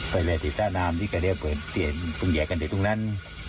ไปแหละที่สระนามที่กะเดี้ยเปิดเสียงคุณแยกกันที่ตรงนั้น